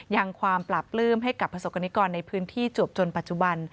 ยังความปราบปลื้มให้กับประสบกรณิกรในพื้นที่จวบจนปัจจุบัน